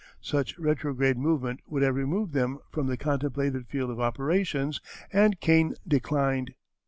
Such retrograde movement would have removed them from the contemplated field of operations, and Kane declined.